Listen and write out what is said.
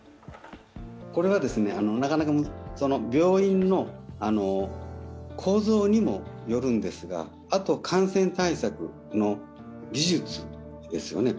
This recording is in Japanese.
これはなかなか、病院の構造にもよるんですが、あと、感染対策の技術ですよね。